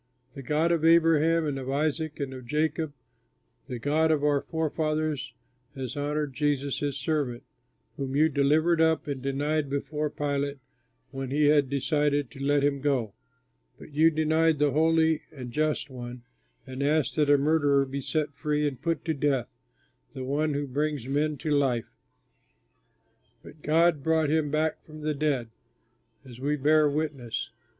The God of Abraham and of Isaac and of Jacob, the God of our forefathers, has honored Jesus his servant, whom you delivered up and denied before Pilate when he had decided to let him go. But you denied the Holy and Just One and asked that a murderer be set free and put to death the One who brings life to men! But God brought him back from the dead, as we bear witness.